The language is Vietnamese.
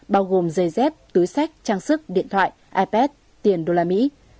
bao gồm dây dép túi sách trang sức điện thoại ipad tiền đô la mỹ